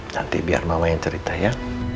nanti biar mama yang cerita ya